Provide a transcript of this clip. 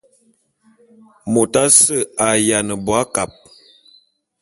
Mot asse a’ayiana bo akab.